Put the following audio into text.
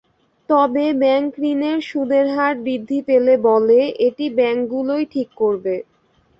তবে ব্যাংকঋণের সুদের হার বৃদ্ধি পেলে বলে, এটি ব্যাংকগুলোই ঠিক করবে।